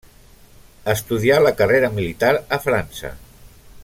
Estudià la carrera militar a França.